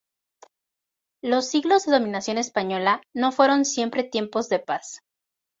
Los siglos de dominación española no fueron siempre tiempos de paz.